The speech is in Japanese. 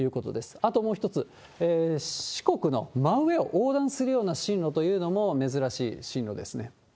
あともう一つ、四国の真上を横断するような進路というのも珍しい進路ですね。